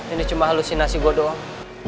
ini cuma halusinasi gue doang